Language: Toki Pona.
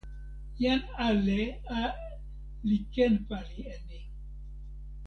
jan ale a li ken pali e ni!